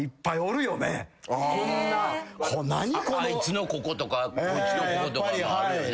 あいつのこことかこいつのこことかあるよね。